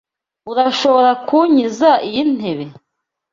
Urashobora kunkiza iyi ntebe?